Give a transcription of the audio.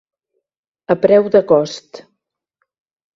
A preu de cost.